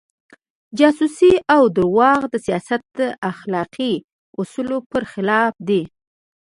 جاسوسي او درواغ د سیاست اخلاقي اصولو پر خلاف دي.